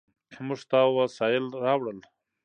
موږ ستا وسایل راوړل.